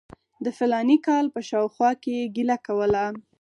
د فلاني کال په شاوخوا کې یې ګیله کوله.